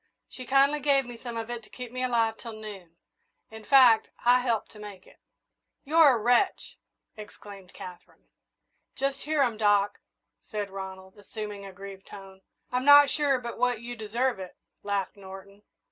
She kindly gave me some of it to keep me alive till noon. In fact, I helped to make it." "You're a wretch!" exclaimed Katherine. "Just hear 'em, Doc," said Ronald, assuming a grieved tone. "I'm not sure but what you deserve it," laughed Norton.